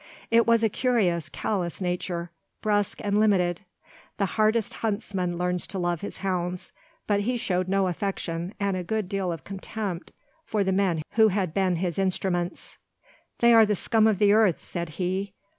It was a curious, callous nature, brusque and limited. The hardest huntsman learns to love his hounds, but he showed no affection and a good deal of contempt for the men who had been his instruments. "They are the scum of the earth," said he.